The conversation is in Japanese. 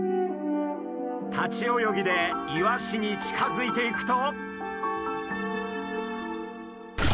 立ち泳ぎでイワシに近づいていくと。